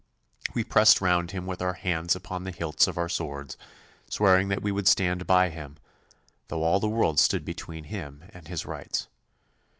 We pressed round him with our hands upon the hilts of our swords, swearing that we would stand by him, though all the world stood between him and his rights.